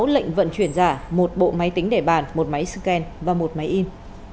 sáu mươi sáu lệnh vận chuyển giả một bộ máy tính để bàn một máy scan và một máy in